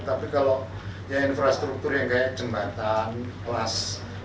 tapi kalau infrastruktur yang kayak jembatan kelas empat